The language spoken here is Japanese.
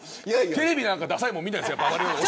テレビなんかださいもの見ないです。